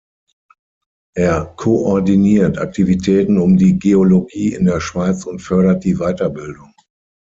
Er koordiniert Aktivitäten um die Geologie in der Schweiz und fördert die Weiterbildung.